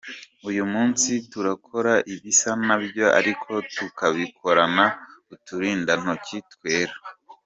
Uyu munsi turakora ibisa na byo ariko tukabikorana uturindantoki twera.